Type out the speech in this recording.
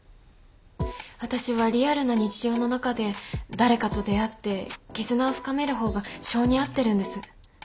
私はリアルな日常の中で誰かと出会って絆を深める方が性に合ってるんです。